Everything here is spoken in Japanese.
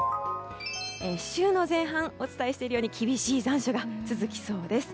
週の前半、お伝えしているように厳しい残暑が続きそうです。